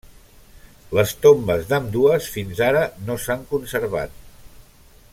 Les tombes d'ambdues fins ara no s'han conservat.